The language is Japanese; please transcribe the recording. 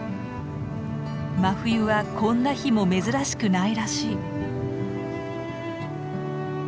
真冬はこんな日も珍しくないらしい。